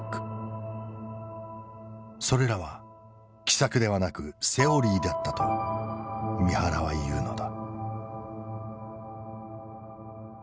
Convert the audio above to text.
それらは奇策ではなくセオリーだったと三原は言うのだ。